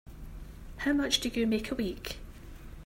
How much do you make a week?